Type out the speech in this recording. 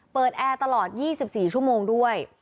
แอร์ตลอด๒๔ชั่วโมงด้วย